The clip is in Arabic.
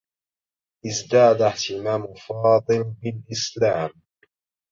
ازداد اهتمام فاضل بالإسلام.